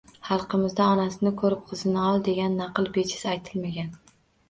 Xalqimizda “Onasini ko‘rib, qizini ol” degan naql bejiz aytilmagan.